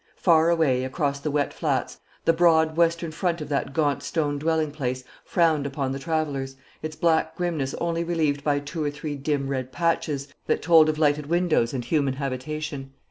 Far away, across the wet flats, the broad western front of that gaunt stone dwelling place frowned upon the travellers, its black grimness only relieved by two or three dim red patches, that told of lighted windows and human habitation.